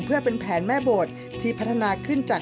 เพื่อเป็นแผนแม่โบสถ์ที่พัฒนาขึ้นจาก